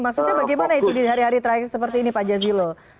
maksudnya bagaimana itu di hari hari terakhir seperti ini pak jazilul